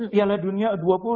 piala dunia dua puluh